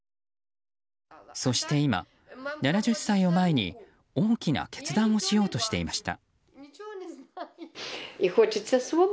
そして今、７０歳を前に大きな決断をしようとしていました。